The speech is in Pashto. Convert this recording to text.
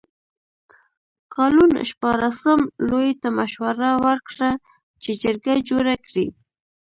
کالون شپاړسم لویي ته مشوره ورکړه چې جرګه جوړه کړي.